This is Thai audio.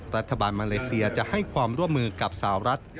รัฐบาลมาเลเซียจะให้ความร่วมมือกับสาวรัฐ